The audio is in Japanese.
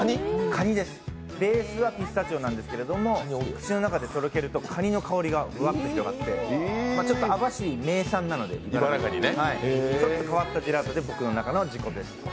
ベースはピスタチオなんですけれども、口の中でとろけると、かにの香りがぶわっと広がって網走名産なのでちょっと変わったジェラートで僕の中で自己ベスト。